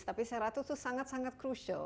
tapi secara itu sangat sangat crucial